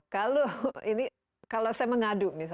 kalau ini kalau saya mengadu misalnya